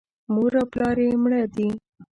مور او پلار یې مړه دي .